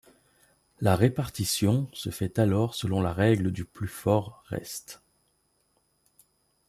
La répartition se fait alors selon la règle du plus fort reste.